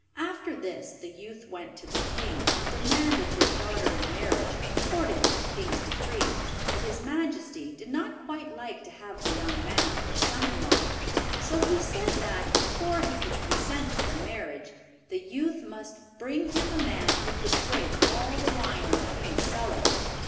After this, the youth went to the king, and demanded his daughter in marriage, according to the king's decree; but his majesty did not quite like to have the young man for a son in law, so he said that, before he could consent to the marriage, the youth must bring him a man who could drink all the wine in the king's cellar.